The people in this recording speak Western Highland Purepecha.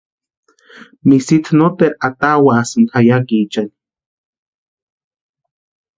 Misitu noteru atawasïnti jeyakiichani.